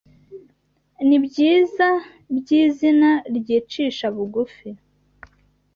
nibyiza Byizina ryicisha bugufi;